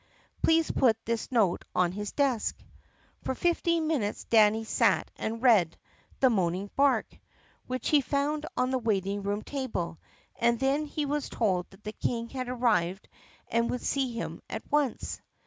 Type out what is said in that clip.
"Please put this note on his desk." For fifteen minutes Danny sat and read "The Morning Bark," which he found on the waiting room table, and then he was told that the King had arrived and would see him at once.